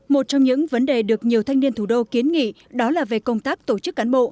một trong những vấn đề được nhiều thanh niên thủ đô kiến nghị đó là về công tác tổ chức cán bộ